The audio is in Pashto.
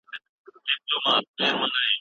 استاد باید د لارښود په څېر وي.